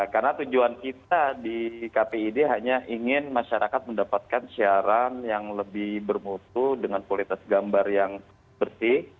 karena tujuan kita di kpid hanya ingin masyarakat mendapatkan siaran yang lebih bermutu dengan kualitas gambar yang bersih